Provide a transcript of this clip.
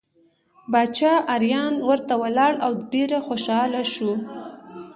باچا اریان ورته ولاړ او ډېر خوشحاله شو.